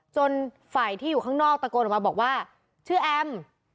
จนฝ่ายที่อยู่ข้างนอกตะโกนออกมาบอกว่าชื่อแอม